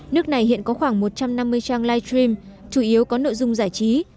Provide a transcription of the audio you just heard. nước này hiện có khoảng một trăm năm mươi trang live stream chủ yếu có nội dung giải trí